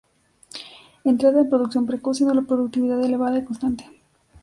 Entrada en producción precoz, siendo la productividad elevada y constante.